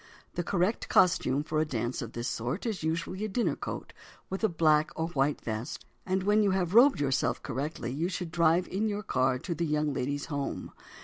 The correct costume for a dance of this sort is usually a dinner coat with a black or white vest, and when you have robed yourself correctly, you should drive in your car to the young lady's home.